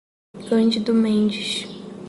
Cândido Mendes